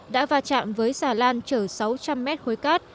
đã va chạm với xà lan chở sáu trăm linh mét khối cát